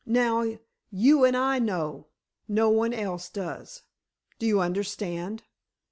Now, you and I know. No one else does. Do you understand?"